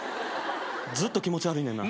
ずっと気持ち悪いねんな。